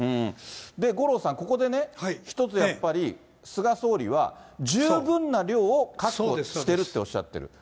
五郎さん、ここでね、一つやっぱり、菅総理は、十分な量を確保してるっておっしゃってる。